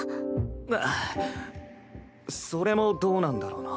あっそれもどうなんだろうな。